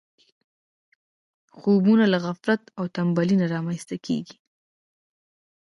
خوبونه له غفلت او تنبلي نه رامنځته کېږي.